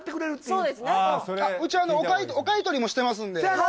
うちはお買い取りもしてますんでせやろ！